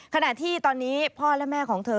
ขณะที่ตอนนี้พ่อและแม่ของเธอ